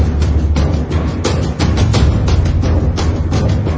แล้วก็พอเล่ากับเขาก็คอยจับอย่างนี้ครับ